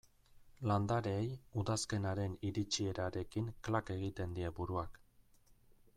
Landareei udazkenaren iritsierarekin klak egiten die buruak.